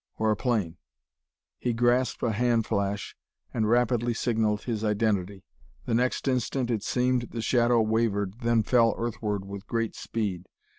or a plane? He grasped a hand flash, and rapidly signalled his identity. The next instant, it seemed, the shadow wavered, then fell earthward with great speed.